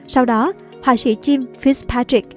sau đó hòa sĩ jim fitzpatrick